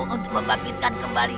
untuk bisa menghidupkan kalian